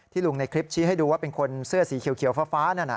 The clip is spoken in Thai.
ลุงในคลิปชี้ให้ดูว่าเป็นคนเสื้อสีเขียวฟ้านั่นน่ะ